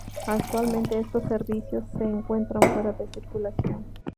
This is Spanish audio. Actualmente estos servicios se encuentran fuera de Circulación.